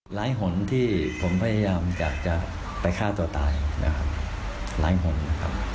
หลายฝนที่ผมพยายามจะไปฆ่าตัวตายหลายฝนนะครับ